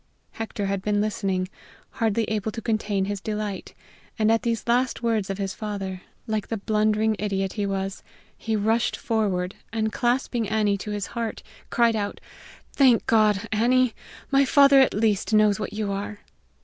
Hector had been listening, hardly able to contain his delight, and at these last words of his father, like the blundering idiot he was, he rushed forward, and, clasping Annie to his heart, cried out: "Thank God, Annie, my father at least knows what you are!"